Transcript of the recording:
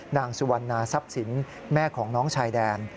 นางสุวรรณาทรัพย์สินแม่ของน้องชายแดน